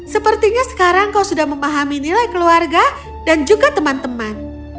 sepertinya sekarang kau sudah memahami nilai keluarga dan juga teman teman